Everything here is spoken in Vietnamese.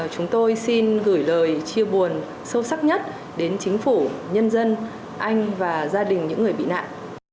chúng tôi xin gửi lời chia buồn sâu sắc nhất đến chính phủ nhân dân anh và gia đình những người bị nạn